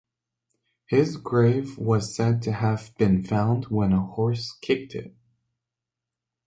His grave was said to have been found when a horse kicked it.